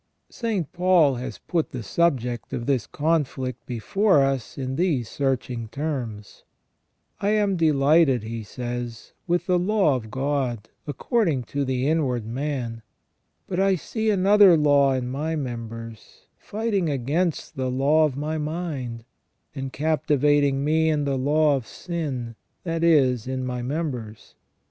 St. Paul has put the subject of this conflict before us in these searching terms: "I am delighted," he says, "with the law of God, according to the inward man ; but I see another law in my members, fighting against the law of my mind, and captivating me in the law of sin, that is, in my members.